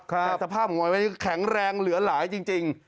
แต่สภาพมวยไม่ได้แข็งแรงเหลือหลายจริง